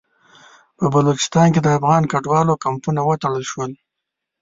په بلوچستان کې د افغان کډوالو کمپونه وتړل شول.